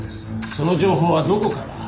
その情報はどこから？